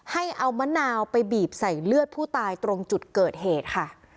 ให้เอามะนาวไปบีบใส่เลือดผู้ตายตรงจุดเกิดเหตุค่ะ